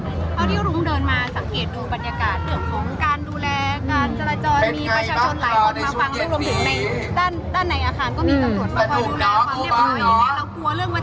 อย่างที่บอกไปว่าเรายังยึดในเรื่องของข้อ